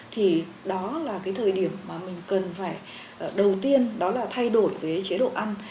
thì đó là cái thời điểm mà mình cần phải đầu tiên đó là thay đổi cái chế độ ăn